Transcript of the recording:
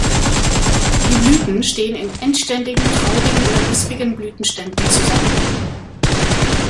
Die Blüten stehen in endständigen traubigen oder rispigen Blütenständen zusammen.